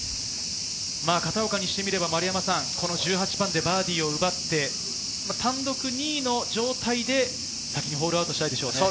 片岡にしてみれば１８番でバーディーを奪って、単独２位の状態で先にホールアウトしたいでしょうね。